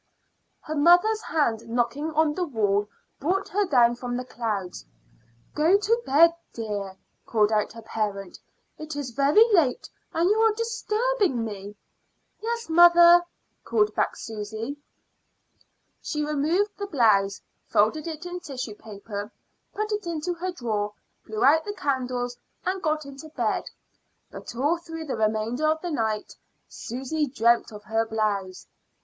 Her mother's hand knocking on the wall brought her down from the clouds. "Go to bed, dear," called out her parent. "It is very late, and you are disturbing me." "Yes, mother," called back Susy. She removed the blouse, folded it in tissue paper, put it into her drawer, blew out the candles, and got into bed. But all through the remainder of the night Susy dreamt of her blouse.